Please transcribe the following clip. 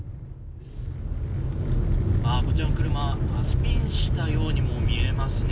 こちらの車スピンしたようにも見えますね。